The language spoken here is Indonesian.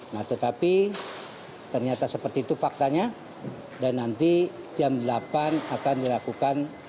nah tetapi ternyata seperti itu faktanya dan nanti jam delapan akan dilakukan